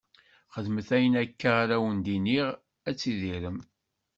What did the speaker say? Xedmet ayen akka ara wen-d-iniɣ, ad tidirem.